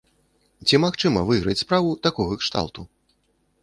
Ці магчыма выйграць справу такога кшталту?